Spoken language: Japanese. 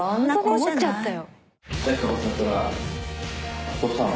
思っちゃったよ。